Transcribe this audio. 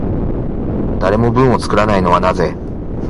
誰も文を作らないのはなぜ？